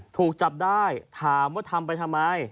ถูกจับได้ถามว่าทำไปทำไม